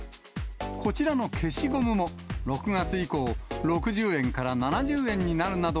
こちらの消しゴムも６月以降、６０円から７０円になるなど、